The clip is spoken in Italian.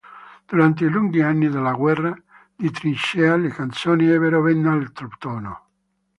Durante i lunghi anni della guerra di trincea le canzoni ebbero ben altro tono.